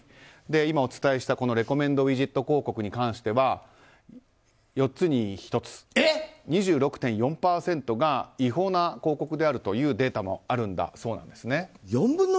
今ご紹介したレコメンドウィジェット広告に関しては４つに１つ、２６．４％が違法な広告であるというデータもあるそうです。